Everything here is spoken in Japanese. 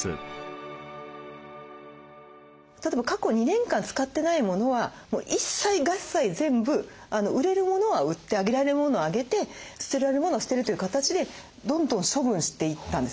例えば過去２年間使ってないモノは一切合財全部売れるモノは売ってあげられるモノはあげて捨てられるモノは捨てるという形でどんどん処分していったんです。